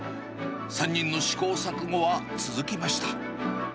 ３人の試行錯誤は続きました。